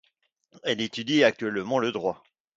Elle étudie actuellement le droit.